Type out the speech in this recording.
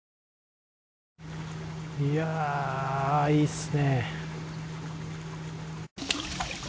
いやあいいですね。